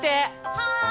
はい！